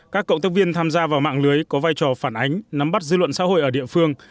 các cộng tác viên tham gia vào mạng lưới có vai trò phản ánh nắm bắt dư luận xã hội ở địa phương